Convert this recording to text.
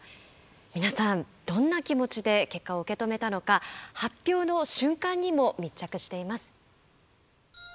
皆さんどんな気持ちで結果を受け止めたのか発表の瞬間にも密着しています。